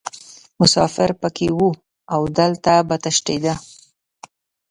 مسافر پکې وو او دلته به تشیده.